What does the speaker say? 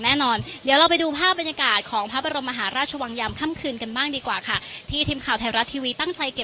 มันมีความภรรยาผมก็ชอบมากค่อนข้าง